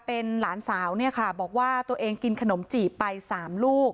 เพียงบอกว่าป่อนกินขนมจีบไปสามลูก